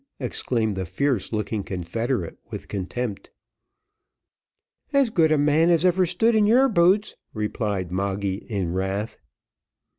exclaimed the fierce looking confederate with contempt. "As good a man as ever stood in your boots," replied Moggy in wrath.